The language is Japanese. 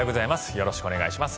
よろしくお願いします。